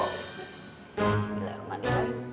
mas berapa nih kali